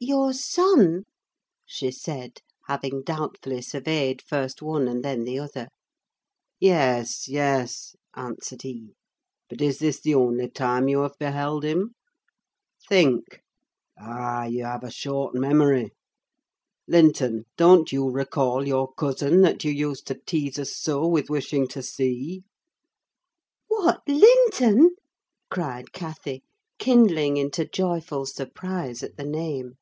"Your son?" she said, having doubtfully surveyed, first one and then the other. "Yes, yes," answered he: "but is this the only time you have beheld him? Think! Ah! you have a short memory. Linton, don't you recall your cousin, that you used to tease us so with wishing to see?" "What, Linton!" cried Cathy, kindling into joyful surprise at the name.